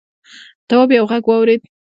تواب یوه غږ واورېد.